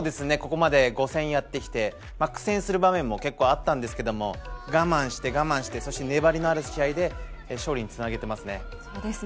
ここまで５戦やってきて苦戦する場面も結構あったんですけど我慢して、我慢して、粘りのある試合で勝利につなげていますね。